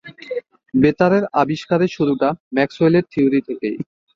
বেতারের আবিষ্কারের শুরুটা ম্যাক্সওয়েলের থিওরি থেকেই।